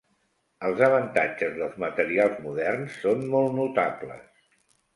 Els avantatges dels materials moderns són molt notables.